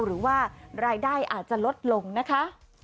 หรือว่ารายได้อาจจะลดลงนะคะ